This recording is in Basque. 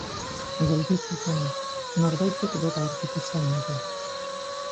Geldi zegoen, norbaitek bera aurkitu zain edo.